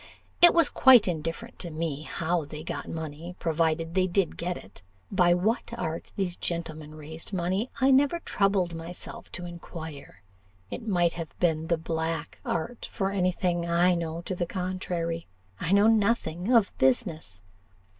It was quite indifferent to me how they got money, provided they did get it. By what art these gentlemen raised money, I never troubled myself to inquire; it might have been the black art, for any thing I know to the contrary. I know nothing of business.